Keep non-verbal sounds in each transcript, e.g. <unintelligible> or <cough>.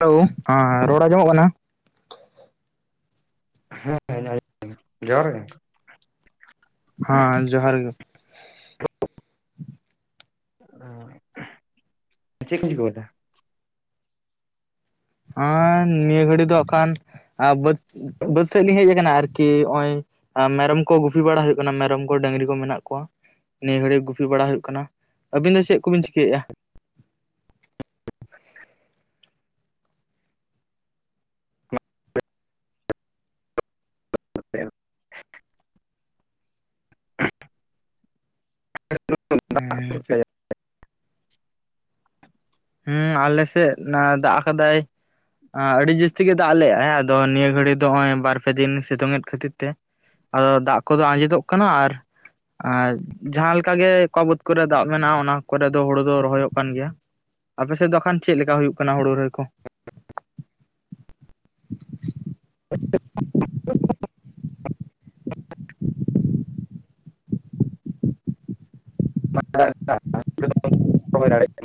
Hello ᱦᱟᱸ, ᱨᱚᱲ ᱟᱸᱡᱚᱢᱚᱜ ᱠᱟᱱᱟ? ᱦᱮᱸᱻ ᱦᱮᱸ <unintelligible> ᱧᱮᱞ ᱡᱚᱦᱟᱨ ᱜᱮ ᱾ ᱦᱟᱸᱻ ᱡᱚᱦᱟᱨ ᱜᱮ ᱾ <inaudible> ᱚᱸ ᱪᱮᱫ ᱠᱚᱢ ᱪᱤᱠᱟ.? ᱦᱟᱸᱻ, ᱱᱤᱭᱟᱹ ᱜᱷᱟᱹᱲᱤ ᱫᱚ, ᱟᱸᱻᱠᱷᱟᱱ ᱵᱟᱹᱫᱽ, ᱵᱟᱹᱫᱽ ᱥᱮᱫ ᱞᱤᱧ ᱦᱮᱡ ᱟᱠᱟᱱᱟ ᱾ ᱟᱨᱠᱤ ᱚᱭ ᱾ ᱢᱮᱨᱚᱢ ᱠᱚ, ᱜᱩᱯᱤ ᱵᱟᱲᱟ ᱦᱩᱭᱩᱜ ᱠᱟᱱᱟ ᱾ ᱢᱮᱨᱚᱢ ᱠᱚ, ᱰᱟᱹᱝᱨᱤ ᱠᱚ, ᱢᱮᱱᱟᱜ ᱠᱚᱣᱟ ᱾ ᱱᱤᱭᱟᱹ ᱜᱷᱟᱹᱲᱤᱡ ᱜᱩᱯᱤ ᱵᱟᱲᱟ ᱦᱩᱭᱩᱜ ᱠᱟᱱᱟ ᱾ ᱟᱹᱵᱤᱱ ᱫᱚ, ᱪᱮᱫ ᱠᱚᱵᱤᱱ ᱪᱤᱠᱟᱹ ᱭᱮᱜᱼᱟ? ᱦᱮᱸ <unintelligible> <unintelligible> ᱠ-ᱷᱜ ᱾ ᱮᱸᱻ ᱠᱟᱹᱡ, <unintelligible> ᱦᱮᱸᱻ, ᱟᱞᱮ ᱥᱮᱫ ᱱᱟ, ᱫᱟᱜ ᱟᱠᱟᱫᱟᱭ ᱾ ᱟᱹᱰᱤ ᱡᱟᱹᱥᱛᱤ ᱜᱮ, ᱫᱟᱜ ᱞᱮᱫ ᱟᱭ, ᱟᱫᱚ ᱱᱤᱭᱟᱹ, ᱜᱷᱟᱹᱲᱤ ᱫᱚ, ᱱᱚᱜᱼᱚᱭ ᱵᱟᱨ ᱯᱮ, ᱫᱤᱱ ᱥᱤᱛᱩᱝ ᱮᱫ ᱠᱷᱟᱹᱛᱤᱨ ᱛᱮ ᱟᱫᱚ, ᱫᱟᱜ ᱠᱚᱫᱚ, ᱟᱸᱡᱮᱫᱚᱜ ᱠᱟᱱᱟ, ᱟᱨ ᱟᱨ, ᱡᱟᱦᱟᱸ ᱞᱮᱠᱟ ᱜᱮ, ᱚᱠᱟ ᱵᱟᱹᱫᱽ ᱠᱚᱨᱮ, ᱫᱟᱜ ᱢᱮᱱᱟᱜᱼᱟ, ᱚᱱᱟ ᱠᱚᱨᱮ ᱫᱚ, ᱦᱩᱲᱩ ᱫᱚ, ᱨᱚᱦᱚᱭᱚᱜ ᱠᱟᱱ ᱜᱮᱭᱟ ᱾ ᱟᱯᱮ ᱥᱮᱫ ᱫᱚ, ᱮᱠᱷᱟᱱ ᱪᱮᱫ ᱞᱮᱠᱟ, ᱦᱩᱭᱩᱜ ᱠᱟᱱᱟ, ᱦᱩᱲᱩ ᱨᱚᱦᱚᱭ ᱠᱚ <unintelligible> <unintelligible> ᱨᱚᱦᱚᱭ ᱫᱟᱲᱮᱜ ᱠᱟᱱᱟ <unintelligible>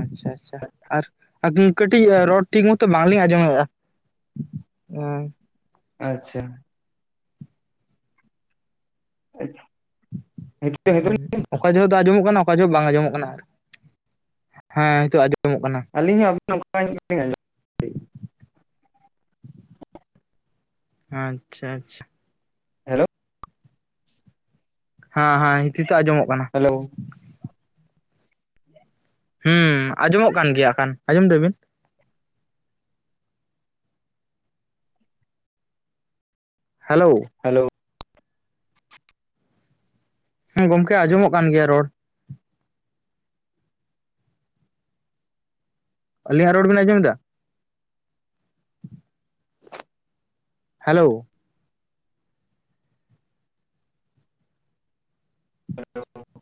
ᱟᱪᱪᱷᱟ, ᱟᱪᱪᱷᱟ, ᱟᱨ ᱠᱟᱹᱴᱤᱡ, ᱨᱚᱲ ᱴᱷᱤᱠ ᱢᱚᱛᱚ, ᱵᱟᱝᱞᱤᱧ ᱟᱸᱡᱚᱢ ᱮᱼᱟ ᱾ ᱮᱸᱻᱟᱝ ᱾ ᱟᱪᱪᱷᱟ ᱾ ᱟᱡ, ᱦᱟᱹᱪ ᱾ ᱦᱩᱸᱼ, ᱚᱠᱟ ᱡᱷᱚᱜ ᱫᱚ, ᱟᱸᱡᱚᱢᱚᱜ ᱠᱟᱱᱟ, ᱚᱠᱟ ᱡᱷᱚᱜ, ᱵᱟᱝ ᱟᱸᱡᱚᱢᱚᱜ ᱠᱟᱱᱟ ᱾ ᱦᱮᱸ, ᱱᱤᱛᱚᱜ ᱟᱸᱡᱚᱢᱚᱜ ᱠᱟᱱᱟ ᱾ ᱟᱹᱞᱤᱧ ᱦᱚᱸ ᱟᱵᱤᱱ ᱱᱚᱠᱟᱧ, ᱡᱷᱚᱜ ᱞᱤᱧ ᱟᱸᱡᱚᱢᱟ ᱾ ᱟᱻᱪᱪᱷᱟ, ᱟᱪᱪᱷᱟ ᱾ ᱦᱮᱲᱳᱠ <unintelligible> ᱦᱟᱸᱻ ᱦᱟᱸᱻ ᱦᱤᱠᱤᱤᱛᱚ ᱟᱸᱡᱚᱢᱚᱜ ᱠᱟᱱᱟ ᱾ ᱦᱮᱞᱳ ᱾ ᱦᱩᱸᱻᱝ, ᱟᱸᱡᱚᱢᱚᱜ ᱠᱟᱱ ᱜᱮᱭᱟ ᱟᱠᱷᱟᱱ, ᱟᱸᱡᱚᱢ ᱮᱫᱟᱵᱤᱱ ᱦᱟᱞᱳ ᱾ ᱦᱟᱼᱞᱟᱹᱣ ᱾ ᱦᱮᱸ, ᱜᱚᱝᱠᱮ, ᱟᱸᱡᱚᱢᱚᱜ ᱠᱟᱱ ᱜᱮᱭᱟ ᱨᱚᱲ ᱾ ᱟᱹᱞᱤᱧᱟᱜ, ᱨᱚᱲ ᱵᱮᱱ ᱟᱡᱚᱢ ᱮᱫᱟ ᱾ ᱦᱟᱞᱟᱹᱣ ᱾ ᱦᱟᱦᱞᱟᱹᱣ ᱾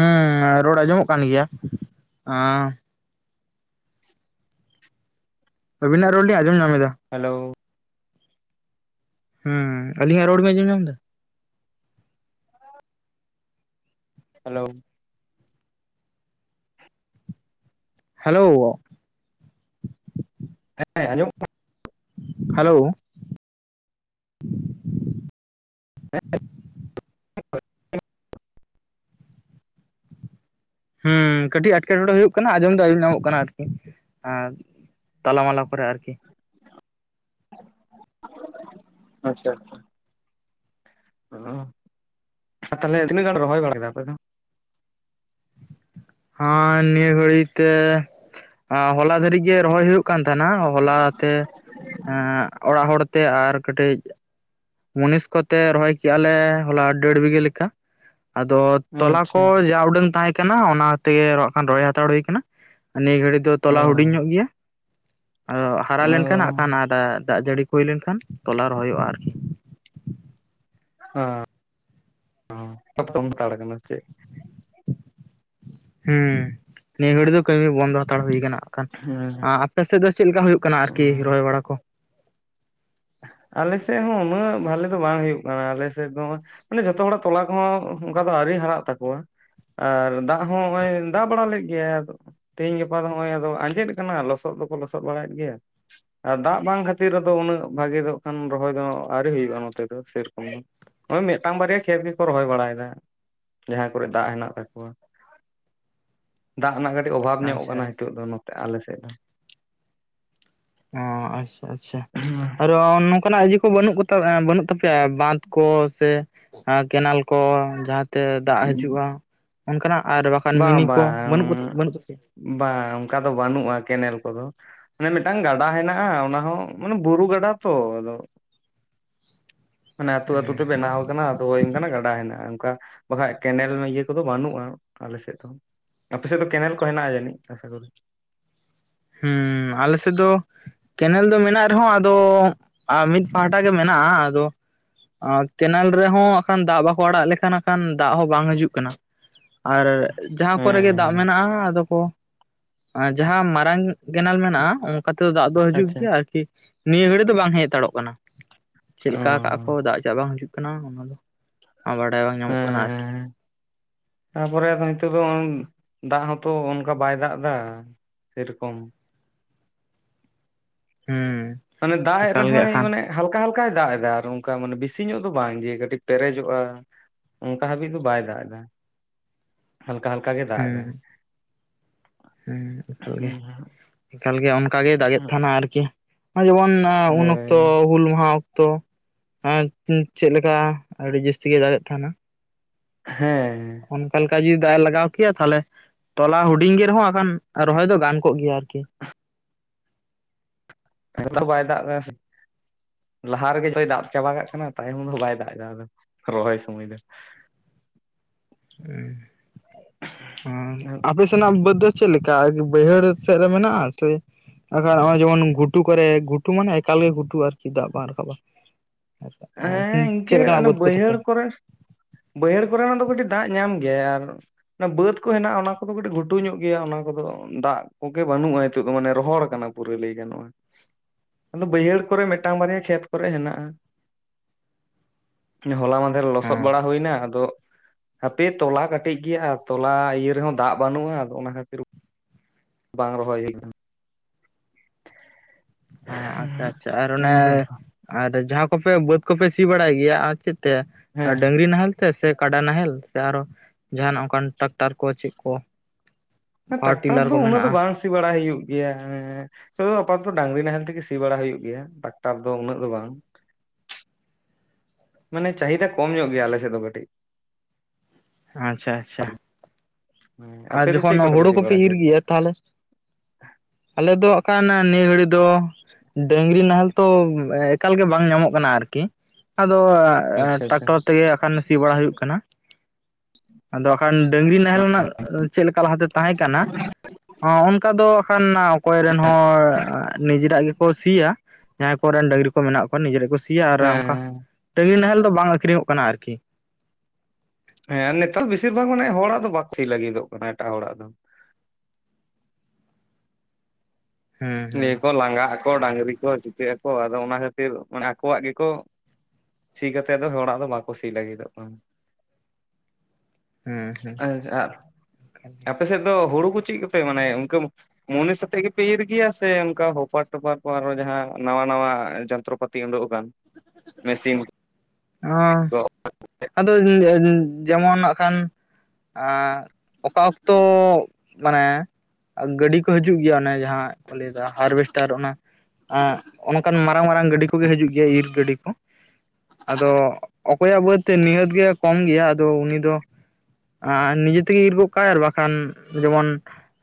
ᱦᱮᱸᱻ, ᱨᱚᱲ, ᱟᱸᱡᱚᱢᱚᱜ, ᱠᱟᱱ ᱜᱮᱭᱟ ᱾ ᱟᱹᱵᱤᱱᱟᱜ, ᱨᱚᱲ ᱞᱤᱧ, ᱟᱸᱡᱚᱢ ᱧᱟᱢᱮᱫᱟ ᱾ ᱦᱟᱞᱟᱹᱣ ᱾ ᱦᱮᱸᱻ, ᱟᱞᱤᱧᱟᱜ, ᱨᱚᱲ ᱵᱤᱱ, ᱟᱸᱡᱚᱢ ᱧᱟᱢ ᱮᱫᱟ? ᱦᱟᱞᱳ ᱾ ᱦᱟᱞᱚᱼᱳ ᱾ ᱦᱮᱸ, ᱟᱸᱡᱚᱢᱚᱜ ᱠᱟᱱᱟ ᱾ ᱦᱟᱞᱟᱳ ᱾ <unintelligible> ᱦᱩᱸᱻ, ᱠᱟᱹᱴᱤᱡ, ᱮᱴᱠᱮᱴᱚᱸᱲᱮ ᱦᱩᱭᱩᱜ ᱠᱟᱱᱟ, ᱟᱸᱡᱚᱢ ᱫᱚ, ᱟᱸᱡᱚᱢ ᱧᱟᱢᱚᱜ ᱠᱟᱱᱟ, ᱟᱨᱠᱤ ᱾ ᱟᱨ ᱛᱟᱞᱟᱢᱟᱞᱟ ᱠᱚᱨᱮ ᱟᱨᱠᱤᱼᱼ <inaudible> ᱟᱪᱪᱷᱟ ᱟᱪᱪᱷᱟ <unintelligible> ᱛᱟᱦᱚᱞᱮ ᱛᱤᱱᱟᱹᱜ ᱜᱟᱱ ᱨᱚᱦᱚᱭ ᱵᱟᱲᱟ ᱠᱮᱫᱟ ᱟᱯᱮ ᱫᱚᱼᱼ ᱦᱮᱸ ᱱᱤᱭᱟᱹ ᱜᱷᱟᱲᱤᱡ ᱛᱮ ᱦᱚᱞᱟ ᱫᱷᱟᱨᱤᱡ ᱜᱮ ᱨᱚᱦᱚᱭ ᱦᱩᱭᱩᱜ ᱦᱩᱭᱩᱜ ᱠᱟᱱ ᱛᱟᱦᱮᱱᱟ ᱦᱚᱞᱟ ᱛᱮ ᱚᱲᱟᱜ ᱦᱚᱲ ᱛᱮ ᱟᱨ ᱠᱟᱹᱴᱤᱡᱼᱼ ᱢᱩᱱᱤᱥ ᱠᱚᱛᱮ ᱨᱚᱦᱚᱭ ᱠᱮᱜᱼᱟ ᱞᱮ ᱦᱚᱞᱟ ᱫᱮᱲ ᱵᱤᱜᱟᱹ ᱞᱮᱠᱟᱼᱼ ᱟᱫᱚ ᱛᱚᱞᱟ ᱟᱪᱪᱷᱟ ᱠᱚ ᱡᱟ ᱩᱰᱟᱹᱝ ᱛᱟᱦᱮᱸ ᱠᱟᱱᱟ ᱚᱱᱟ ᱛᱮ ᱜᱮ ᱟᱠᱷᱟᱱ ᱨᱚᱦᱚᱭ ᱦᱟᱛᱟᱲ ᱦᱩᱭ ᱠᱟᱱᱟ ᱱᱤᱭᱟᱹ ᱜᱷᱟᱹᱲᱤ ᱫᱚ ᱛᱚᱞᱟ ᱦᱩᱰᱤᱧ ᱧᱚᱜ ᱜᱮᱭᱟ ᱟᱫᱚ ᱦᱟᱨᱟ ᱞᱮᱱ ᱠᱷᱟᱱ ᱦᱟᱸᱜ ᱠᱷᱟᱱ ᱫᱟᱜ ᱡᱟᱹᱲᱤᱼᱼ ᱦᱩᱭ ᱞᱮᱱ ᱠᱷᱟᱱ ᱛᱚᱞᱟ ᱨᱚᱦᱚᱭᱚᱜᱼᱟ ᱟᱨᱠᱤᱼᱼ ᱦᱟᱸ <unintelligible> ᱦᱟᱛᱟᱲ ᱠᱟᱱᱟ ᱥᱮ ᱪᱮᱫ ᱦᱮᱸ ᱱᱤᱭᱟᱹ ᱜᱷᱟᱹᱲᱤᱡ ᱫᱚ ᱠᱟᱹᱢᱤ ᱵᱚᱱᱫᱚ ᱦᱟᱛᱟᱲ ᱦᱩᱭ ᱠᱟᱱᱟ ᱟᱠᱷᱟᱱ <unintelligible> ᱟᱯᱮ ᱥᱮᱫ ᱫᱚ ᱪᱮᱫ ᱞᱮᱠᱟ ᱦᱩᱭᱩᱜ ᱠᱟᱱᱟ ᱟᱨᱠᱤ ᱨᱚᱦᱚᱭ ᱵᱟᱲᱟ ᱠᱚᱼᱼ ᱟᱞᱮ ᱥᱮᱫ ᱦᱚᱸ ᱩᱱᱟᱹᱜ ᱵᱷᱟᱞᱮ ᱫᱚ ᱵᱟᱝ ᱦᱩᱭᱩᱜ ᱠᱟᱱᱟ ᱟᱞᱮ ᱥᱮᱫ ᱫᱚ᱾ ᱢᱟᱱᱮ ᱡᱷᱚᱛᱚ ᱦᱚᱲᱟᱜ ᱛᱚᱞᱟ ᱠᱚ ᱦᱚᱸ ᱚᱱᱠᱟ ᱫᱚ ᱟᱹᱣᱨᱤ ᱦᱟᱨᱟᱜ ᱛᱟᱠᱚᱣᱟ ᱾ ᱟᱨ ᱫᱟᱜ ᱦᱚᱸ ᱱᱚᱜᱼᱚᱭ ᱫᱟᱜ ᱵᱟᱲᱟ ᱞᱮᱫ ᱜᱮᱟᱭ ᱟᱫᱚ ᱛᱮᱦᱤᱧ ᱜᱟᱯᱟ ᱫᱚ ᱱᱚᱜᱼᱚᱭ ᱟᱫᱚ ᱟᱸᱡᱮᱫ ᱠᱟᱱᱟ ᱞᱚᱥᱚᱫ ᱫᱚᱠᱚ ᱞᱚᱥᱚᱫ ᱵᱟᱲᱟᱭ ᱮᱫ ᱜᱮᱭᱟ ᱾ ᱟᱨ ᱫᱟᱜ ᱵᱟᱝ ᱠᱷᱟᱹᱛᱤᱨ ᱨᱮᱫᱚ ᱩᱱᱟᱹᱜ ᱵᱷᱟᱜᱤ ᱫᱚ ᱠᱷᱟᱱ ᱨᱚᱦᱚᱭ ᱫᱚ ᱟᱹᱣᱨᱤ ᱦᱩᱭᱩᱜᱼᱟ ᱱᱚᱛᱮ ᱫᱚ ᱥᱮᱨᱚᱠᱚᱢ ᱫᱚ ᱾ ᱚᱭ ᱢᱤᱫᱴᱟᱱ ᱵᱟᱨᱭᱟ ᱠᱷᱮᱛ ᱜᱮᱠᱚ ᱨᱚᱦᱚᱭ ᱵᱟᱲᱟᱭ ᱮᱫᱟ ᱡᱟᱸᱦᱟ ᱠᱚᱨᱮ ᱫᱟᱜ ᱦᱮᱱᱟᱜ ᱛᱟᱠᱚᱣᱟ ᱾ <inaudible> ᱫᱟᱜ ᱨᱮᱱᱟᱜ ᱠᱟᱹᱴᱤᱡ ᱚᱵᱷᱟᱵ ᱧᱚᱜ ᱟᱪᱪᱷᱟ ᱠᱟᱱᱟ ᱦᱤᱛᱚᱜ ᱫᱚ ᱱᱚᱛᱮ ᱟᱞᱮ ᱥᱮᱫ ᱫᱚ ᱾ ᱚᱸᱻ ᱟᱪᱪᱷᱟ ᱟᱪᱪᱷᱟ ᱟᱨ <unintelligible> <unintelligible> ᱠᱚ ᱵᱟᱹᱱᱩᱜ ᱛᱟᱯᱮᱭᱟ ᱵᱟᱸᱫᱽ ᱠᱚ ᱥᱮ ᱠᱮᱱᱟᱞᱼᱼ ᱠᱚ ᱡᱟᱦᱟᱸ ᱛᱮ ᱫᱟᱜ ᱦᱤᱡᱩᱜᱼᱟ ᱚᱱᱠᱟᱱᱟᱜ ᱟᱨ ᱵᱟᱠᱷᱟᱱ ᱵᱟᱝ ᱢᱤᱱᱤ ᱠᱚ ᱵᱟᱝ ᱵᱟᱹᱱᱩᱜ ᱠᱚ ᱵᱟᱹᱱᱩᱜ ᱛᱟᱯᱮᱭᱟ ᱵᱟᱝ ᱚᱱᱠᱟ ᱫᱚ ᱵᱟᱹᱱᱩᱜᱼᱟ ᱠᱮᱱᱮᱞ ᱠᱚ ᱫᱚ ᱢᱮᱱ ᱠᱷᱟᱱ ᱜᱟᱰᱟ ᱦᱮᱱᱟᱜᱼᱟ ᱚᱱᱟ ᱦᱚᱸ ᱢᱟᱱᱮ ᱵᱩᱨᱩ ᱜᱟᱰᱟ ᱛᱚ ᱟᱫᱚᱼᱼ ᱢᱟᱱᱮ ᱟᱹᱛᱩ ᱟᱹᱛᱩ ᱛᱮ ᱵᱮᱱᱟᱣ ᱟᱠᱟᱱᱟ ᱚ ᱚᱱᱠᱟᱱᱟᱜ ᱜᱟᱰᱟ ᱦᱮᱱᱟᱜᱼᱟ ᱚᱱᱠᱟ ᱵᱟᱠᱷᱟᱡ ᱠᱮᱱᱮᱞ ᱤᱭᱟᱹ ᱠᱚᱫᱚ ᱵᱟᱹᱱᱩᱜᱼᱟ ᱟᱞᱮ ᱥᱮᱫ ᱫᱚᱼᱼ ᱟᱯᱮ ᱥᱮᱫ ᱫᱚ ᱠᱮᱱᱮᱞ ᱠᱚ ᱦᱮᱱᱟᱜᱼᱟ ᱡᱟᱹᱱᱤᱡ ᱟᱥᱟ ᱠᱚᱨᱤ᱾ ᱦᱩᱸᱻ ᱟᱞᱮ ᱥᱮᱫ ᱫᱚᱼᱼ ᱠᱮᱱᱮᱞ ᱫᱚ ᱢᱮᱱᱟᱜ ᱨᱮᱦᱚᱸ ᱟᱫᱚ ᱢᱤᱫ ᱯᱟᱦᱴᱟ ᱜᱮ ᱢᱮᱱᱟᱜᱼᱟ ᱟᱫᱚ ᱟᱨ ᱠᱮᱱᱟᱞ ᱨᱮᱦᱚᱸ ᱠᱷᱟᱱ ᱫᱟᱜ ᱵᱟᱠᱚ ᱟᱲᱟᱜ ᱞᱮᱠᱷᱟᱱ ᱠᱷᱟᱱ ᱫᱟᱜ ᱦᱚᱸ ᱵᱟᱝ ᱦᱤᱡᱩᱜ ᱠᱟᱱᱟ ᱾ ᱟᱨ ᱡᱟᱦᱟᱸ ᱦᱮᱸ ᱠᱚᱨᱮ ᱜᱮ ᱫᱟᱜ ᱦᱮᱸ ᱢᱮᱱᱟᱜᱼᱟ ᱟᱫᱚ ᱠᱚ ᱡᱟᱦᱟᱸ ᱢᱟᱨᱟᱝ ᱠᱮᱱᱟᱞ ᱢᱮᱱᱟᱜᱼᱟ ᱚᱱᱠᱟ ᱛᱮᱫᱚ ᱫᱟᱜ ᱫᱚ ᱦᱤᱡᱩᱜ ᱟᱪᱪᱷᱟ ᱜᱮᱭᱟ ᱟᱨᱠᱤ ᱱᱤᱭᱟᱹ ᱜᱷᱟᱹᱲᱤᱡ ᱫᱚ ᱵᱟᱝ ᱦᱮᱡ ᱦᱟᱛᱟᱲᱚᱜ ᱠᱟᱱᱟ ᱾ ᱪᱮᱫ ᱞᱮᱠᱟ ᱠᱟᱜ-ᱟ ᱠᱚ ᱚ ᱫᱟᱜ ᱪᱟᱜ ᱵᱟᱝ ᱦᱤᱡᱩᱜ ᱠᱟᱱᱟ ᱚᱱᱟ ᱫᱚ ᱵᱟᱰᱟᱭ ᱵᱟᱝ ᱧᱟᱢᱚᱜ ᱠᱟᱱᱟ ᱟᱨᱠᱤ ᱾ <inaudible> ᱛᱟᱯᱚᱨᱮ ᱟᱫᱚ ᱱᱤᱛᱚᱜ ᱫᱚ ᱫᱟᱜ ᱦᱚᱸᱛᱚ ᱚᱱᱠᱟ ᱵᱟᱭ ᱫᱟᱜ ᱮᱫᱟ ᱥᱮᱨᱚᱠᱚᱢ ᱾ ᱦᱮᱸ ᱢᱟᱱᱮ ᱫᱟᱜ ᱜᱮ ᱮᱠᱟᱞ ᱦᱟᱸᱜ ᱨᱮᱦᱚᱸᱭ ᱠᱷᱟᱱ ᱢᱟᱱᱮ ᱦᱟᱞᱠᱟ ᱦᱟᱞᱠᱟᱭ ᱫᱟᱜ ᱮᱫᱟ ᱟᱨ ᱚᱱᱠᱟ ᱢᱟᱱᱮ ᱵᱤᱥᱤ ᱧᱚᱜ ᱫᱚ ᱵᱟᱝ ᱡᱮ ᱠᱟᱹᱴᱤᱡ ᱯᱮᱨᱮᱡᱚᱜᱼᱟ ᱾ ᱚᱱᱠᱟ ᱦᱟᱹᱵᱤᱡ ᱫᱚ ᱵᱟᱭ ᱫᱟᱜ ᱮᱫᱟ ᱾ ᱦᱟᱞᱠᱟ ᱦᱟᱞᱠᱟ ᱜᱮ ᱫᱟᱜ ᱮᱫᱟᱭ ᱾ ᱦᱮᱸ ᱦᱮᱸ ᱮᱠᱟᱞ ᱜᱮ, ᱮᱠᱟᱞ ᱜᱮ ᱚᱱᱠᱟ ᱜᱮᱭ ᱫᱟᱜᱮᱫ ᱛᱟᱦᱮᱱᱟ ᱟᱨᱠᱤ ᱡᱮᱢᱚᱱ ᱩᱱ ᱦᱳᱭ ᱚᱠᱛᱚ ᱦᱩᱞ ᱢᱟᱦᱟᱼᱼ ᱛᱚ <unintelligible> ᱪᱮᱫ ᱞᱮᱠᱟ ᱟᱹᱰᱤ ᱡᱟᱹᱥᱛᱤ ᱜᱮ ᱫᱟᱜᱮᱫ ᱛᱟᱦᱮᱱᱟ ᱾ ᱦᱮᱸ ᱚᱱᱠᱟ ᱞᱮᱠᱟ ᱡᱩᱫᱤ ᱫᱟᱜ ᱮ ᱞᱟᱜᱟᱣ ᱠᱮᱭᱟ ᱛᱟᱦᱚᱞᱮ ᱛᱚᱞᱟ ᱦᱩᱰᱤᱧ ᱜᱮ ᱨᱮᱦᱚᱸ ᱮᱠᱷᱚᱱ ᱨᱚᱦᱚᱭ ᱫᱚ ᱜᱟᱱ ᱠᱚᱜ ᱜᱮᱭᱟ ᱟᱨᱠᱤ᱾ <unintelligible> ᱞᱟᱦᱟ ᱨᱮᱜᱮ ᱡᱚᱛᱚᱭ ᱫᱟᱜ ᱪᱟᱵᱟ ᱠᱟᱜ ᱠᱟᱱᱟ ᱛᱟᱭᱚᱢ ᱫᱚ ᱵᱟᱭ ᱫᱟᱜ ᱮᱫᱟ ᱨᱚᱦᱚᱭ ᱥᱚᱢᱚᱭ ᱫᱚ᱾ <inaudible> ᱱᱟᱜ ᱵᱟᱹᱫᱽ ᱫᱚ ᱪᱮᱫ ᱞᱮᱠᱟ ᱵᱟᱹᱭᱦᱟᱹᱲ ᱥᱮᱫ ᱨᱮ ᱢᱮᱱᱟᱜᱼᱟ ᱥᱮᱼᱼ <unintelligible> ᱡᱮᱢᱚᱱ ᱜᱷᱩ ᱠᱚᱨᱮ ᱜᱩᱴᱩ ᱢᱟᱱᱮ ᱮᱠᱟᱞ ᱜᱮ ᱜᱷᱩ ᱟᱨᱠᱤ ᱫᱟᱜ ᱵᱟᱝ ᱨᱟᱠᱟᱵᱼᱟ᱾ ᱦᱮᱸ ᱤᱱᱠᱟᱹ ᱚᱱᱮ ᱵᱟᱹᱫᱽ ᱠᱚ ᱛᱟᱯᱮ ᱵᱟᱹᱭᱦᱟᱹᱲ ᱠᱚᱨᱮᱼᱼ ᱵᱟᱹᱭᱦᱟᱹᱲ ᱠᱚᱨᱮᱱᱟᱜ ᱫᱚ ᱠᱟᱹᱴᱤᱡ ᱫᱟᱜ ᱧᱟᱢ ᱜᱮᱭᱟ ᱟᱨᱼᱼ ᱚᱱᱟ ᱵᱟᱹᱫᱽ ᱠᱚ ᱦᱮᱱᱟᱜᱼᱟ ᱚᱱᱟ ᱠᱚᱫᱚ ᱠᱟᱹᱴᱤᱡ ᱜᱷᱩᱴᱩ ᱧᱚᱜ ᱜᱮᱭᱟ ᱚᱱᱟ ᱠᱚᱫᱚ ᱫᱟᱜ ᱠᱚᱜᱮ ᱵᱟᱹᱱᱩᱜᱼᱟ ᱱᱤᱛᱚᱜ ᱫᱚ ᱢᱟᱱᱮ ᱨᱚᱦᱚᱲ ᱠᱟᱱᱟ᱾ ᱯᱩᱨᱟᱹ ᱞᱟᱹᱭ ᱜᱟᱱᱚᱜᱼᱟ, ᱟᱫᱚ ᱵᱟᱹᱭᱦᱟᱹᱲ ᱠᱚᱨᱮ ᱢᱤᱫᱴᱟᱝ ᱵᱟᱨᱭᱟ ᱠᱷᱮᱛ ᱠᱚᱨᱮ ᱦᱮᱱᱟᱜᱼᱟ᱾ ᱦᱚᱞᱟ ᱢᱫᱷᱮᱨ ᱞᱚᱥᱚᱫ ᱦᱮᱸ ᱵᱟᱲᱟ ᱦᱩᱭ ᱮᱱᱟ ᱟᱫᱚᱼᱼ ᱦᱟᱯᱮ ᱛᱚᱞᱟ ᱠᱟᱹᱴᱤᱡ ᱜᱮᱭᱟ ᱛᱚᱞᱟ ᱤᱭᱟᱹ ᱨᱮᱦᱚᱸ ᱫᱟᱜ ᱵᱟᱹᱱᱩᱜᱼᱟ ᱚᱱᱟ ᱠᱷᱟᱹᱛᱤᱨᱼᱼ ᱵᱟᱝ ᱨᱚᱦᱚᱭ ᱦᱩᱭ ᱟᱠᱟᱱᱟ᱾ ᱦᱸᱻ ᱟᱪᱪᱷᱟ ᱟᱪᱪᱷᱟ ᱟᱨᱱᱮᱻ ᱚᱱᱠᱟ ᱟᱨ ᱡᱟᱦᱟᱸ ᱠᱚᱯᱮ ᱵᱟᱹᱫᱽ ᱠᱚᱯᱮ ᱥᱤ ᱵᱟᱲᱟᱭ ᱜᱮᱭᱟ ᱟᱨ ᱪᱮᱫ ᱛᱮ ᱦᱮᱸ ᱰᱟᱹᱟᱝᱨᱤ ᱱᱟᱦᱮᱞᱼᱼ ᱛᱮ ᱥᱮ ᱠᱟᱰᱟ ᱱᱟᱦᱮᱞ ᱥᱮ ᱟᱨᱚ ᱡᱟᱦᱱᱟᱜ ᱚᱱᱠᱟᱱ ᱴᱨᱟᱠᱴᱟᱨ ᱠᱚ ᱪᱮᱫ ᱠᱚ᱾ ᱯᱟᱣᱟᱨ ᱴᱨᱟᱠᱴᱟᱨ ᱴᱤᱞᱟᱨ ᱫᱚ ᱠᱚ ᱩᱱᱟᱹᱜ ᱫᱚ ᱢᱮᱱᱟᱜᱼᱟ ᱵᱟᱝ ᱥᱤ ᱵᱟᱲᱟ ᱦᱩᱭᱩᱜ ᱜᱮᱭᱟ ᱦᱮᱸᱻ ᱛᱚ ᱟᱯᱟ ᱫᱚ ᱰᱟᱝᱨᱤ ᱱᱟᱦᱮᱞ ᱛᱮᱜᱮ ᱥᱤ ᱵᱟᱲᱟ ᱦᱳᱭ ᱜᱮᱭᱟ ᱴᱟᱠᱴᱟᱨ ᱫᱚ ᱩᱱᱟᱹᱜ ᱫᱚ ᱵᱟᱝ ᱢᱟᱱᱮ ᱪᱟᱦᱤᱫᱟ ᱠᱚᱢ ᱧᱚᱜ ᱜᱮᱭᱟ ᱟᱞᱮ ᱥᱮᱫ ᱫᱚ ᱠᱟᱹᱴᱤᱡ ᱟᱪᱪᱷᱟ ᱟᱪᱪᱷᱟ ᱦᱮᱸ ᱟᱯᱮ ᱟᱨ ᱫᱚ ᱪᱮᱫ ᱡᱚᱠᱷᱚᱱ ᱠᱚᱛᱮ ᱯᱮ ᱦᱳᱲᱳ ᱥᱤ ᱵᱟᱲᱟ ᱠᱚᱯᱮ ᱦᱚᱪᱚᱭ ᱤᱨ ᱜᱮᱭᱟ ᱛᱟᱦᱚᱞᱮᱼᱼ ᱟᱞᱮ ᱫᱚ ᱚᱴᱮᱱᱠᱟ ᱱᱤᱭᱟᱹ ᱜᱷᱟᱹᱲᱤᱡ ᱫᱚ ᱰᱟᱹᱝᱨᱤ ᱱᱟᱦᱮᱞ ᱛᱚ ᱮᱠᱟᱞ ᱜᱮ ᱵᱟᱝ ᱧᱟᱢᱚᱜ ᱠᱟᱱᱟ ᱟᱨᱠᱤ ᱟᱫᱚ ᱟᱪᱪᱷᱟ ᱟᱪᱪᱷᱟ ᱴᱨᱟᱠᱴᱚᱨ ᱛᱮᱜᱮᱟᱱ ᱥᱤ ᱵᱟᱲᱟ ᱦᱩᱭᱩᱜ ᱠᱟᱱᱟ ᱟᱫᱚᱠᱷᱟᱱ ᱰᱟᱹᱝᱨᱤ ᱱᱟᱦᱮᱞ ᱨᱮᱱᱟᱜ ᱪᱮᱫ ᱞᱮᱠᱟ ᱞᱟᱦᱟᱛᱮ ᱛᱟᱦᱮᱸ ᱠᱟᱱᱟ ᱚᱱᱠᱟ ᱫᱚ ᱠᱷᱟᱱᱼᱼ ᱚᱠᱚᱭ ᱨᱮᱱ ᱦᱚᱲ ᱱᱤᱡᱮᱨᱟᱜ ᱜᱮᱠᱚ ᱥᱤᱭᱟ ᱡᱟᱦᱟᱸᱭ ᱠᱚᱨᱮᱱ ᱰᱟᱹᱝᱨᱤ ᱠᱚ ᱢᱮᱱᱟᱜ ᱠᱚᱣᱟ ᱱᱤᱡᱮ ᱨᱮᱠᱚ ᱥᱤᱭᱟ ᱟᱨ ᱚᱱᱠᱟ ᱦᱮᱸ ᱰᱟᱝᱨᱤ ᱱᱟᱦᱮᱞ ᱫᱚ ᱵᱟᱝ ᱟᱹᱠᱷᱨᱤᱧᱚᱜ ᱠᱟᱱᱟ ᱟᱨᱠᱤ ᱦᱮᱸ ᱱᱮᱛᱟᱨ ᱫᱚ ᱵᱮᱥᱤᱨ ᱵᱷᱟᱜᱽ ᱢᱟᱱᱮ ᱦᱚᱲᱟᱜ ᱫᱚ ᱵᱟᱠᱚ ᱥᱤ ᱞᱟᱹᱜᱤᱫᱚᱜ ᱠᱟᱱᱟ ᱮᱴᱟᱜ ᱦᱚᱲᱟᱜ ᱫᱚ᱾ ᱦᱮᱸ ᱞᱟᱹᱭᱟ ᱦᱮᱸ ᱠᱚ ᱞᱟᱸᱜᱟᱜ ᱟᱠᱚ ᱰᱟᱝᱨᱤ ᱠᱚ ᱪᱩᱴᱟᱹᱜ ᱟᱠᱚ ᱟᱫᱚ ᱚᱱᱟ ᱠᱷᱟᱹᱛᱤᱨ ᱢᱟᱱᱮ ᱟᱠᱚᱣᱟᱜ ᱜᱮᱠᱚᱼ ᱥᱤ ᱠᱟᱛᱮᱜ ᱫᱚ ᱦᱚᱲᱟᱜ ᱫᱚ ᱵᱟᱠᱚ ᱥᱤ ᱞᱟᱹᱜᱤᱫᱚᱜ ᱠᱟᱱᱟ᱾ ᱦᱮᱸ <unintelligible> ᱦᱮᱸ ᱟᱯᱮ ᱥᱮᱫ ᱫᱚ ᱦᱩᱲᱩ ᱠᱚ ᱪᱮᱫᱼᱼ ᱢᱟᱱᱮ ᱚᱱᱠᱩ ᱢᱩᱱᱤᱥ ᱟᱛᱮ ᱜᱮ ᱤᱨ ᱜᱮᱭᱟ᱾ ᱥᱮ ᱚᱱᱠᱟ ᱦᱚᱯᱟᱨ ᱴᱚᱯᱟᱨ ᱠᱚ ᱟᱨᱚ ᱡᱟᱦᱟᱸ ᱱᱟᱣᱟ ᱱᱟᱣᱟ ᱡᱚᱱᱛᱨᱚᱯᱟᱛᱤ ᱩᱰᱩᱠ ᱟᱠᱟᱱ᱾ ᱢᱮᱥᱤᱱ ᱚ ᱟᱫᱚ ᱡᱮᱢᱚᱱ ᱠᱷᱟᱱ ᱟᱨ ᱚᱠᱟ ᱚᱠᱛᱚ ᱢᱟᱱᱮᱼᱼ ᱜᱟᱹᱰᱤ ᱠᱚ ᱦᱤᱡᱩᱜ ᱜᱮᱭᱟ ᱚᱱᱮ ᱡᱟᱦᱟᱸ ᱠᱚ ᱞᱟᱹᱭᱫᱟ ᱦᱟᱨᱵᱷᱮᱥᱴᱟᱨ ᱚᱱᱟᱼᱼ ᱚᱱᱠᱟᱱ ᱢᱟᱨᱟᱝ ᱢᱟᱨᱟᱝ ᱜᱟᱹᱰᱤ ᱠᱚᱜᱮ ᱦᱤᱡᱩᱜ ᱜᱮᱭᱟ ᱤᱨ ᱜᱟᱹᱰᱤ ᱠᱚ᱾ ᱟᱫᱚ ᱚᱠᱚᱭᱟᱜ ᱵᱟᱹᱫᱽᱛᱮ ᱱᱤᱦᱟᱹᱛ ᱜᱮ ᱠᱚᱢ ᱜᱮᱭᱟ ᱟᱫᱚ ᱩᱱᱤ ᱫᱚᱼᱼ ᱟᱸ ᱱᱤᱡᱮ ᱛᱮᱜᱮ ᱤᱨ ᱜᱚᱜ ᱠᱟᱼᱟᱭ ᱟᱨ ᱵᱟᱠᱷᱟᱱ ᱡᱮᱢᱚᱱᱼᱼ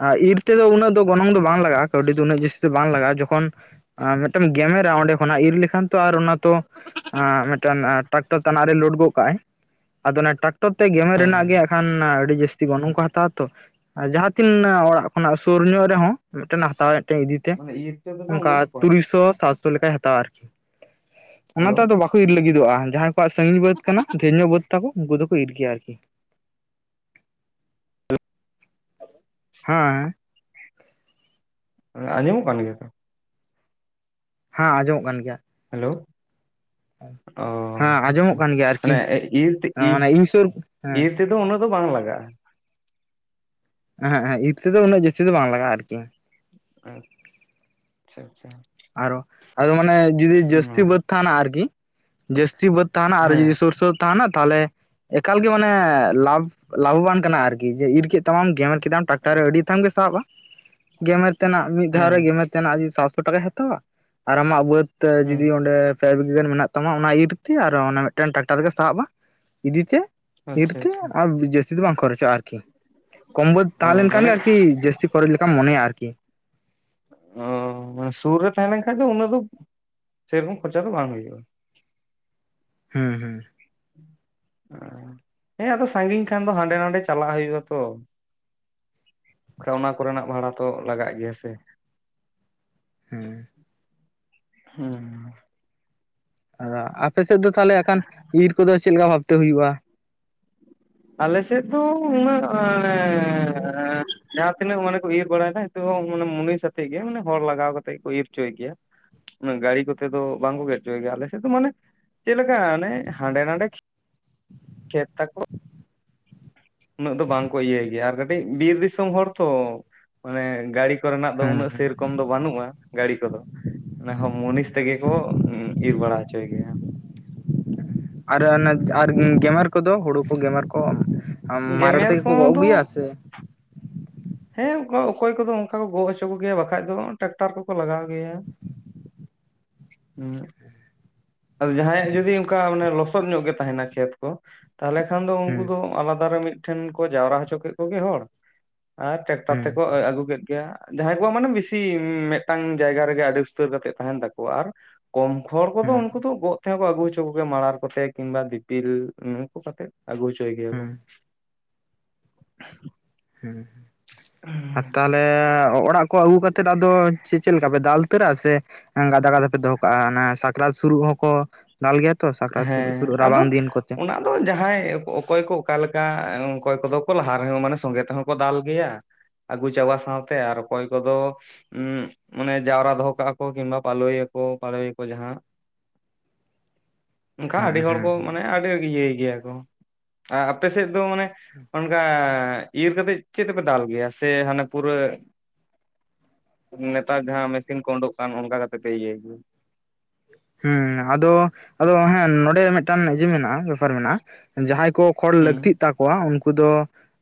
ᱟᱨ ᱤᱨ ᱛᱮᱫᱚ ᱩᱱᱟᱹᱜ ᱫᱚ ᱜᱚᱱᱚᱝ ᱫᱚ ᱵᱟᱝ ᱞᱟᱜᱟᱜᱼᱟ ᱠᱟᱹᱣᱰᱤ ᱫᱚ ᱩᱱᱟᱹᱜ ᱡᱟᱹᱥᱛᱤ ᱫᱚ ᱵᱟᱝ ᱞᱟᱜᱼᱟ ᱡᱚᱠᱷᱚᱱ ᱟᱨ ᱢᱤᱫᱴᱟᱝ ᱜᱮᱢᱮᱨᱟ ᱚᱸᱰᱮ ᱠᱷᱚᱱᱟᱜ ᱤᱨ ᱞᱮᱠᱷᱟᱱ ᱛᱚ ᱟᱨ ᱚᱱᱟ ᱛᱚᱼᱼ ᱢᱤᱫᱴᱮᱱ ᱴᱨᱟᱠᱴᱚᱨ ᱛᱟᱱᱟᱜ ᱨᱮ ᱞᱳᱰ ᱠᱟᱜ ᱟᱫᱚ ᱚᱱᱟ ᱴᱨᱟᱠᱴᱚᱨ ᱛᱮ ᱜᱮᱢᱮᱨ ᱨᱮᱱᱟᱜ ᱜᱮ ᱮᱠᱷᱟᱱ ᱟᱹᱰᱤ ᱡᱟᱹᱥᱛᱤᱼᱼ ᱛᱤ ᱜᱚᱱᱚᱝ ᱠᱚ ᱦᱟᱛᱟᱣ ᱛᱚ ᱟ ᱡᱟᱦᱟ ᱛᱤᱱᱱᱟᱹᱜ ᱚᱲᱟᱜ ᱠᱷᱚᱱᱟᱜ ᱥᱩᱨ ᱧᱚᱜ ᱨᱮᱦᱚᱸ, ᱢᱮᱜᱴᱮᱱᱮ ᱦᱟᱛᱟᱣᱮᱫ ᱛᱮ, ᱤᱫᱤᱛᱮ ᱢᱟᱱᱮ ᱤᱨ ᱛᱮᱫᱚ ᱚᱝᱠᱟ ᱩᱱᱟᱹᱜ ᱵᱟᱠᱚ ᱛᱩᱨᱩᱭ ᱦᱟᱛᱟᱣᱟ ᱥᱚ, ᱥᱟᱛᱥᱚ ᱞᱮᱠᱟᱭ ᱦᱟᱛᱟᱣᱟ, ᱟᱨᱠᱤ᱾ ᱦᱮᱞᱳ ᱚᱱᱟᱛᱮ ᱟᱫᱚ ᱵᱟᱠᱚ ᱤᱨ ᱞᱟᱹᱜᱤᱫᱚᱜᱼᱟ᱾ ᱡᱟᱦᱟᱸᱭ ᱠᱚᱣᱟᱜ ᱥᱟᱺᱜᱤᱧ ᱵᱟᱹᱫᱽ ᱠᱟᱱᱟ ᱫᱷᱮᱨ ᱧᱚ ᱵᱟ. ᱫᱽ ᱛᱟᱠᱚ ᱩᱝᱠᱩ ᱫᱚᱠᱚ ᱤᱨ ᱜᱮᱭᱟ ᱟᱨᱠᱤ᱾ ᱦᱟᱶᱮ᱾ ᱮᱸ ᱟᱸᱡᱚᱢᱚᱜ ᱠᱟᱱ ᱜᱮᱭᱟ ᱛᱚ᱾ ᱦᱟᱸ, ᱟᱸᱡᱚᱢᱚᱜ ᱠᱟᱱ ᱜᱮᱭᱟ᱾ ᱦᱮᱹᱞᱳᱣ᱾ ᱚ ᱦᱮᱸ ᱟᱪᱪᱷᱟ, ᱟᱸᱡᱚᱢᱚᱜ ᱠᱟᱱ ᱜᱮᱭᱟ ᱟᱨᱠᱤ ᱢᱟᱱᱮ ᱤᱨ ᱛᱤᱜᱼᱤ, ᱢᱟᱱᱮ ᱤᱧ ᱥᱩᱨ ᱦᱮᱸ ᱤᱨ ᱛᱮᱫᱚ, ᱩᱱᱟᱹᱜ ᱫᱚ ᱵᱟᱝ ᱞᱟᱜᱟᱜᱼᱟ᱾ ᱮᱸᱦᱮᱸᱜ-ᱮᱸᱦᱮᱸᱜ ᱤᱨ ᱛᱮᱫᱚ, ᱩᱱᱟᱹᱜ ᱡᱟᱹᱥᱛᱤ ᱫᱚ ᱵᱟᱝ ᱞᱟᱜᱟᱜᱼᱟ, ᱟᱨᱠᱤ᱾ ᱩᱸᱜ ᱪᱷᱟ-ᱪᱷᱟ᱾ ᱟᱨᱚ ᱟᱫᱚ ᱢᱟᱱᱮ ᱡᱩᱫᱤ ᱡᱟᱹᱥᱛᱤ ᱵᱟᱹᱫᱽ ᱛᱷᱟᱱᱟ, ᱟᱨᱠᱤ᱾ ᱡᱟᱹᱥᱛᱤ ᱵᱟᱹᱫᱽ ᱛᱷᱟᱱᱟ ᱟᱨ ᱡᱩᱫᱤ ᱦᱮᱸ ᱥᱩᱨ-ᱥᱩᱨ ᱛᱟᱦᱟᱱᱟᱜ ᱛᱟᱞᱮ ᱮᱠᱟᱞ ᱜᱮ ᱢᱟᱱᱮ ᱞᱟᱵᱷ-ᱞᱟᱵᱷᱚᱵᱟᱱ ᱠᱟᱱᱟ, ᱟᱨᱠᱤ ᱡᱮ ᱤᱨ ᱠᱮᱫ ᱛᱟᱢᱟᱢ ᱜᱮᱢᱮᱨ ᱠᱮᱫᱟᱢ ᱴᱟᱠᱴᱟᱨ ᱟᱹᱰᱤ ᱛᱷᱟᱢ ᱜᱮ ᱥᱟᱵᱼᱟ᱾ ᱜᱮᱢᱮᱨ ᱛᱮᱱᱟᱜ ᱢᱤᱫ ᱫᱷᱟᱣ ᱨᱮ, ᱜᱮᱢᱮᱨ ᱛᱮᱱᱟᱜ ᱡᱩᱫᱤ ᱥᱟᱛᱥᱚ ᱴᱟᱠᱟᱭ ᱦᱟᱛᱟᱣᱟ ᱟᱨ ᱟᱢᱟᱜ ᱵᱟᱹᱫᱽ ᱛᱮ ᱦᱮᱸ ᱡᱩᱫᱤ ᱚᱸᱰᱮᱯ ᱯᱮ ᱵᱤᱜᱟ. ᱜᱟᱱ ᱢᱮᱱᱟᱜ ᱛᱟᱢᱟ ᱚᱱᱟ ᱤᱨᱛᱤ ᱟᱨ ᱚᱱᱟ ᱢᱮᱜᱴᱮᱱ ᱴᱟᱠᱴᱟᱨ ᱜᱮ ᱥᱟᱣᱟᱵᱼᱟ, ᱤᱫᱤᱛᱮ᱾ ᱤᱨ ᱟᱪᱪᱷᱟ ᱛᱮᱻ ᱟᱪᱪᱷᱟ ᱟᱢ ᱡᱟᱹᱥᱛᱤ ᱫᱚ ᱵᱟᱝ ᱠᱷᱚᱨᱚᱪᱚᱜᱼᱟ, ᱟᱨᱠᱤ᱾ ᱠᱚᱢ ᱵᱟᱹᱫ ᱚ ᱛᱟᱦᱮᱸ ᱞᱮᱱᱠᱷᱟᱱ ᱢᱟᱱᱮ ᱜᱮ ᱟᱨᱠᱤ ᱡᱟᱹᱥᱥᱤ ᱠᱚᱹᱨᱞ ᱞᱮᱠᱟᱢ ᱢᱚᱱᱮᱭᱟ, ᱟᱨᱠᱤ᱾ ᱚᱸ ᱢᱟ ᱥᱩᱨ ᱨᱮ ᱛᱟᱶᱮ ᱞᱮᱱ ᱠᱷᱟᱡ ᱫᱚ, ᱩᱱᱟᱹᱜ ᱫᱚ, ᱥᱮᱹᱨᱠᱚᱢ ᱠᱷᱚᱨᱪᱟ ᱫᱚ ᱵᱟᱝ ᱦᱩᱭᱩᱜᱼᱟ᱾ ᱦᱩᱸ, ᱦᱩᱸ᱾ ᱦᱮᱸᱻ, ᱟᱫᱚ ᱥᱟᱺᱜᱤᱧ ᱠᱷᱟᱱ ᱫᱚ ᱦᱟᱸᱰᱮ-ᱱᱟᱰᱮ ᱪᱟᱞᱟᱜ ᱦᱩᱭᱩᱜᱼᱟ, ᱛᱚ᱾ ᱠᱷᱟ ᱚᱱᱟ ᱠᱚᱨᱮᱱᱟᱜ ᱵᱷᱟᱲᱟ ᱛᱚ ᱞᱟᱜᱟᱜ ᱜᱮᱭᱟ, ᱥᱮ᱾ ᱩᱸ᱾ ᱦᱩᱸ᱾ ᱟᱨᱟ ᱟᱯᱮ ᱥᱮᱜ ᱫᱚ ᱛᱷᱟᱞᱮ ᱟᱠᱷᱟᱱ ᱤᱨ ᱠᱚᱫᱚ ᱪᱮᱜ ᱞᱮᱠᱟ ᱵᱷᱟᱵᱽᱛᱮ ᱦᱩᱭᱩᱜᱼᱟ? ᱟᱞᱮᱥᱮᱫ ᱫᱚ ᱩᱱᱟᱹᱜ ᱮᱸᱻᱨ ᱡᱟᱦᱟᱸ ᱛᱤᱱᱟᱹᱜ ᱢᱟᱱᱮ ᱠᱚ ᱤᱨ ᱵᱟᱲᱟᱭᱫᱟ᱾ ᱫᱚ ᱢᱚᱱᱮ ᱢᱚᱱᱤᱥ ᱟᱛᱮᱜ ᱜᱮ, ᱢᱟᱱᱮ ᱦᱚᱲ ᱞᱟᱜᱟᱣ ᱠᱟᱛᱮᱫ ᱠᱚ ᱤᱨ ᱪᱚᱭ ᱜᱮᱭᱟ᱾ ᱩᱢᱟᱹ ᱜᱟᱲᱤ ᱠᱚᱛᱮ ᱫᱚ ᱵᱟᱝᱠᱚ ᱜᱮᱫ ᱪᱚᱭ ᱜᱮᱭᱟ, ᱟᱞᱮ ᱥᱮᱫ ᱫᱚ ᱢᱟᱱᱮ, ᱪᱮᱜ ᱞᱮᱠᱟ ᱟᱱᱮ ᱦᱟᱸᱰᱮ-ᱱᱟᱰᱮ ᱠᱷᱮ ᱠᱷᱮᱛ ᱛᱟᱠᱚ᱾ ᱩᱱᱟᱹᱜ ᱫᱚ ᱵᱟᱝ ᱠᱚ ᱤᱭᱟᱹᱭ ᱜᱮᱭᱟ ᱟᱨ ᱠᱟᱹᱴᱤᱡ ᱵᱤᱨ ᱫᱤᱥᱚᱢ ᱦᱚᱲ ᱛᱚᱻ ᱢᱟᱱᱮ ᱜᱟᱲᱤ ᱠᱚᱨᱮᱱᱟᱜ ᱫᱚ, ᱦᱩᱸ ᱩᱱᱟᱹᱜ ᱦᱩᱸ ᱥᱮᱹᱨᱠᱚᱢ ᱫᱚ ᱵᱟᱹᱱᱩᱜᱼᱟ, ᱜᱟᱲᱤ ᱠᱚᱫᱚ᱾ ᱱᱟ ᱦᱚ ᱢᱩᱱᱤᱥ ᱛᱮᱜᱮ ᱠᱚ ᱦᱩᱸ ᱩᱸ ᱤᱨ ᱵᱟᱲᱟ ᱦᱚᱪᱚᱭ ᱜᱮᱭᱟ᱾ ᱟᱨ ᱟᱱᱮᱼᱪ ᱟᱨ ᱩᱸ ᱜᱮᱢᱮᱨ ᱠᱚᱫᱚ ᱦᱩᱲᱩ ᱠᱚ, ᱜᱮᱢᱮᱨ ᱠᱚ, ᱟᱢ ᱢᱟᱨᱟᱲ ᱜᱮᱢᱮᱨ ᱛᱮᱜᱮ ᱠᱚ ᱜᱚᱜ ᱠᱚᱫᱚ ᱟᱜᱩᱭᱟ ᱥᱮ ᱦᱮᱸᱻ, ᱚᱠᱟ ᱚᱠᱚᱭ ᱠᱚᱫᱚ ᱚᱝᱠᱟ ᱠᱚ ᱜᱚᱜ ᱦᱚᱪᱚ ᱠᱚᱜᱮᱭᱟ, ᱵᱟᱠᱷᱟᱡ ᱫᱚ ᱴᱟᱠᱴᱟᱨ ᱠᱚᱠᱚ ᱞᱟᱜᱟᱣ ᱜᱮᱭᱟ᱾ ᱩᱸ᱾ ᱟᱫᱚ ᱡᱟᱦᱟᱸᱭᱟᱜ ᱡᱩᱫᱤ ᱚᱝᱠᱟ ᱢᱟᱱᱮ ᱞᱚᱥᱚᱫ ᱧᱚᱜ ᱜᱮ ᱛᱟᱦᱮᱱᱟ ᱠᱷᱮᱛ ᱠᱚ ᱛᱟᱦᱞᱮ ᱠᱷᱟᱱ ᱫᱚ, ᱦᱩᱸ ᱩᱝᱠᱩ ᱫᱚ ᱟᱞᱟᱫᱟ ᱨᱮ ᱢᱤᱜ ᱴᱷᱮᱱ ᱠᱚ ᱡᱟᱣᱨᱟ ᱦᱚᱪᱚ ᱠᱮᱜ ᱠᱚᱜᱮ ᱦᱚᱲᱻ ᱟᱨ ᱦᱩᱸ ᱴᱮᱠᱴᱟᱛᱛᱮᱠᱚ ᱟᱹ ᱟᱜᱩ ᱠᱮᱫ ᱜᱮ᱾ ᱡᱟᱦᱟᱸᱭ ᱠᱚᱣᱟᱜ ᱢᱟᱱᱮ ᱵᱤᱥᱤ, ᱩᱸ ᱢᱮᱜᱴᱟᱝ ᱡᱟᱭᱜᱟ ᱨᱮᱜᱮ ᱟᱰᱤ ᱩᱥᱛᱟᱹᱨ ᱠᱟᱛᱮᱜ ᱛᱟᱦᱮᱱ ᱛᱟᱠᱚᱣᱟ ᱟᱨ ᱠᱚᱢ ᱠᱷᱚᱲ ᱠᱚᱫᱚ ᱦᱩᱸ ᱩᱝᱠᱩ ᱫᱚ ᱜᱚᱜ ᱛᱮᱦᱚᱸ ᱠᱚ ᱟᱹᱜᱩ ᱦᱚᱪᱚ ᱠᱚᱜᱮᱭᱟ ᱢᱟᱲᱟᱨ ᱠᱚᱛᱮ ᱠᱤᱝᱵᱟ ᱫᱤᱯᱤᱞ ᱩᱸ ᱩᱝᱠᱩ ᱥᱟᱛᱮᱜ ᱟᱜᱩ ᱣᱚᱪᱚᱭ ᱜᱮᱭᱟ ᱠᱚ᱾ ᱦᱩᱸ ᱦᱩᱸ ᱟᱨ ᱛᱟᱦᱚᱞ <unintelligible> ᱚᱲᱟᱜ ᱠᱚ ᱟᱹᱜᱩ ᱠᱟᱛᱮᱫ ᱟᱫᱚ ᱪᱮᱫ ᱞᱮᱠᱟ ᱯᱮ ᱫᱟᱞ ᱩᱛᱟᱹᱨᱟ ᱥᱮᱼᱼ ᱜᱟᱫᱟ ᱜᱟᱫᱟ ᱯᱮ ᱫᱚᱦᱚ ᱠᱟᱜᱼᱟ ᱚᱱᱟ ᱥᱟᱠᱨᱟᱛ ᱥᱩᱨᱩᱜ ᱦᱚᱸ ᱠᱚ ᱫᱟᱞ ᱜᱮ ᱛᱚ ᱥᱟᱠᱨᱟᱛ ᱥᱩᱨᱩᱜ ᱦᱮᱸ ᱥᱩᱨᱩᱜ ᱟᱫᱚ ᱨᱟᱵᱟᱝ ᱫᱤᱱ ᱠᱚᱛᱮᱼᱼ ᱚᱱᱟ ᱡᱟᱦᱟᱸᱭ ᱚᱠᱚᱭ ᱚᱠᱚᱭ ᱠᱚ ᱚᱠᱟ ᱞᱮᱠᱟ ᱚᱠᱚᱭ ᱠᱚᱫᱚ ᱠᱚ ᱞᱟᱦᱟ ᱨᱮᱦᱚᱸ ᱢᱟᱱᱮ ᱥᱚᱸᱜᱮ ᱛᱮᱦᱚᱸ ᱠᱚ ᱫᱟᱞ ᱜᱮᱭᱟ ᱟᱹᱜᱩ ᱪᱟᱵᱟ ᱥᱟᱶ ᱛᱮ ᱟᱨ ᱚᱠᱚᱭ ᱠᱚ ᱫᱚᱼᱼ <unintelligible> ᱢᱟᱱᱮ ᱡᱟᱣᱨᱟ ᱫᱚᱦᱚ ᱠᱟᱜ ᱟᱠᱚ ᱠᱤᱝᱵᱟ ᱯᱟᱞᱳᱭ ᱟᱠᱚ ᱯᱟᱲᱳᱭ ᱟᱠᱚ ᱡᱟᱦᱟᱸᱼᱼ ᱚᱱᱠᱟ ᱦᱩᱸ ᱟᱹᱰᱤ ᱦᱩᱸ ᱦᱚᱲ ᱠᱚ ᱦᱩᱸ ᱢᱟᱱᱮ ᱟᱹᱰᱤ ᱟᱹᱰᱤ ᱤᱭᱟᱹᱭ ᱜᱮᱭᱟ ᱠᱚ ᱟᱨ ᱟᱯᱮ ᱥᱮᱫ ᱫᱚ ᱢᱟᱱᱮ ᱚᱱᱠᱟ ᱤᱨ ᱠᱟᱛᱮᱜ ᱪᱮᱫ ᱛᱮᱯᱮ ᱫᱟᱞ ᱜᱮᱭᱟ ᱥᱮ ᱦᱟᱱᱮ ᱯᱩᱨᱟᱹᱼᱼ ᱱᱮᱛᱟᱨ ᱡᱟᱦᱟᱸ ᱢᱮᱥᱤᱱ ᱠᱚ ᱳᱰᱳᱠ ᱠᱟᱱ ᱚᱱᱠᱟ ᱠᱟᱛᱮ ᱯᱮ ᱤᱭᱟᱹᱭ ᱜᱮᱭᱟ ᱦᱮᱸ ᱟᱫᱚ ᱟᱫᱚ ᱦᱮᱸ ᱱᱚᱰᱮ ᱢᱤᱫᱴᱟᱝ <unintelligible> ᱢᱮᱱᱟᱜᱼᱟ ᱵᱮᱯᱟᱨ ᱢᱮᱱᱟᱜᱼᱟ ᱡᱟᱦᱟᱸᱭ ᱠᱚ ᱠᱷᱚᱲ ᱞᱟᱹᱠᱛᱤᱜ ᱦᱩᱸ ᱛᱟᱠᱚᱣᱟ ᱩᱱᱠᱩ ᱫᱚ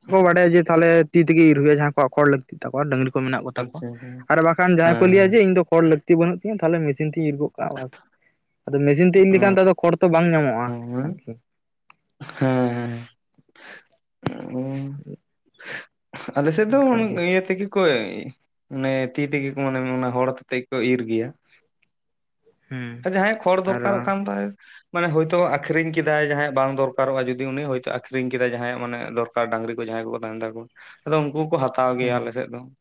ᱟᱠᱚ ᱵᱟᱰᱟᱭᱟ ᱡᱮ ᱛᱟᱦᱚᱞᱮ ᱛᱤ ᱛᱮᱜᱮ ᱤᱨ ᱦᱩᱭᱩᱜᱼᱟ ᱡᱟᱦᱟᱸᱭ ᱠᱚᱣᱟᱜ ᱠᱷᱚᱲ ᱞᱟᱹᱠᱛᱤ ᱛᱟᱠᱚᱣᱟ ᱰᱟᱹᱝᱨᱤ ᱠᱚ ᱢᱮᱱᱟᱜ ᱠᱚ ᱛᱟᱠᱚᱣᱟ ᱟᱪᱪᱷᱟ ᱦᱮᱸ ᱟᱨ ᱵᱟᱠᱷᱟᱱ ᱡᱟᱦᱟᱸᱭ ᱠᱚ ᱞᱟᱹᱭᱟ ᱡᱮ ᱦᱮᱸ ᱤᱧ ᱫᱚ ᱠᱷᱚᱲ ᱞᱟᱹᱠ ᱛᱤ ᱵᱟᱹᱱᱩᱜ ᱛᱤᱧᱟ ᱛᱟᱦᱚᱞᱮ ᱢᱮᱥᱤᱱ ᱛᱤᱧ ᱤᱨ ᱜᱚᱜ ᱠᱟᱜᱼᱟ ᱵᱟᱥ ᱟᱫᱚ ᱢᱮᱥᱤᱱ ᱛᱮ ᱤᱨ ᱞᱮᱠᱷᱟᱱ ᱦᱮᱸ ᱛᱚ ᱟᱫᱚ ᱠᱷᱚᱲ ᱛᱚ ᱵᱟᱝ ᱧᱟᱢᱚᱜᱼᱟ ᱟᱨᱠᱤᱼᱼ ᱦᱮᱸ ᱦᱮᱸ <inaudible> ᱟᱞᱮ ᱥᱮᱫ ᱫᱚ ᱚᱱᱠᱟᱜᱮ ᱤᱭᱟᱹ ᱛᱮ ᱜᱮᱼᱼ ᱠᱚ <unintelligible> ᱢᱟᱱᱮ ᱛᱤ ᱛᱮᱜᱮ ᱠᱚ ᱢᱟᱱᱮ ᱦᱚᱲ ᱟᱛᱮᱫ ᱜᱮ ᱠᱚ ᱤᱨ ᱜᱮᱭᱟ ᱾ ᱦᱮᱸ ᱡᱟᱦᱟᱸᱭ ᱠᱷᱚᱲ ᱟᱨ ᱫᱚᱨᱠᱟᱨᱚᱜ ᱠᱟᱱ ᱛᱟᱭ ᱢᱟᱱᱮ ᱦᱳᱭᱛᱚ ᱟᱠᱷᱨᱤᱧ ᱠᱮᱫᱟᱭ ᱡᱟᱦᱟᱸᱭᱟᱜ ᱵᱟᱝ ᱫᱚᱨᱠᱚᱜ-ᱟ ᱡᱩᱫᱤ ᱩᱱᱤ ᱦᱳᱭᱛᱳ ᱟᱠᱷᱨᱤᱧ ᱠᱮᱫᱟᱭ ᱡᱟᱦᱟᱸᱭᱟᱜ ᱢᱟᱱᱮ ᱫᱚᱨ <unintelligible> ᱰᱟᱝᱨᱤ ᱠᱚ ᱡᱟᱦᱟᱸᱭ ᱠᱚᱠᱚ ᱛᱟᱦᱮᱱ ᱛᱟᱠᱚᱣᱟ ᱟᱫᱚ ᱩᱱᱠᱩ ᱦᱚᱸᱠᱚ ᱦᱟᱛᱟᱣ ᱜᱮᱭᱟ ᱦᱮᱸ ᱟᱞᱮᱥᱮᱫ ᱫᱚ ᱾